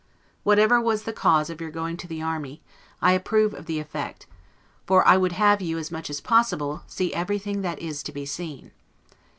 Whatever was the cause of your going to the army, I approve of the effect; for I would have you, as much as possible, see everything that is to be seen.